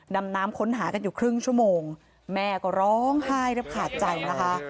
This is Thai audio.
ดำน้ำค้นหากันอยู่ครึ่งชั่วโมงแม่ก็ร้องไห้แทบขาดใจนะคะ